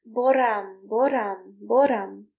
"Borram! Borram! Borram!"